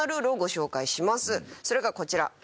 それがこちら。